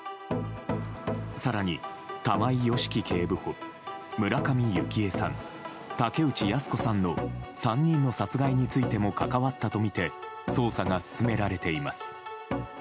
更に、玉井良樹警部補村上幸枝さん、竹内靖子さんの３人の殺害についても関わったとみて捜査が進められています。